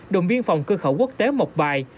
đồng biên phòng cơ khẩu quốc tế mộc bài